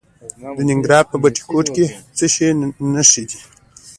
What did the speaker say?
د ننګرهار په بټي کوټ کې د څه شي نښې دي؟